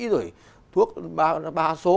rồi thuốc ba số